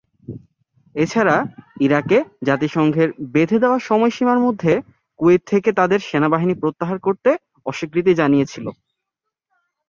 এছাড়া ইরাকের জাতিসংঘের বেঁধে দেয়া সময়সীমার মধ্যে কুয়েত থেকে তাদের সেনাবাহিনী প্রত্যাহার করতে অস্বীকৃতি জানিয়েছিল।